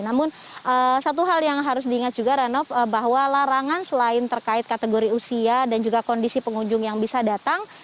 namun satu hal yang harus diingat juga ranoff bahwa larangan selain terkait kategori usia dan juga kondisi pengunjung yang bisa datang